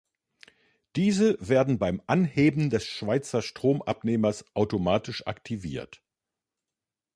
Diese werden beim Anheben des Schweizer Stromabnehmers automatisch aktiviert.